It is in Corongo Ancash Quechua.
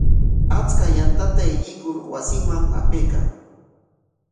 Achka yantata aylluykur wasinman apaykan.